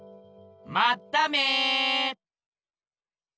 まっため！